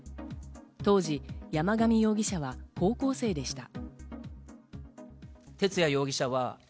当時、山上容疑者は高校生でした。